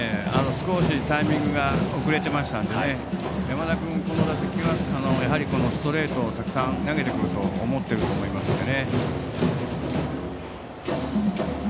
少しタイミングが遅れていましたので山田君のこの打席はストレートを、たくさん投げてくると思っているので。